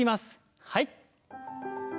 はい。